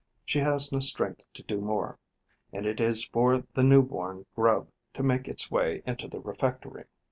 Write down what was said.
She has no strength to do more; and it is for the new born grub to make its way into the refectory.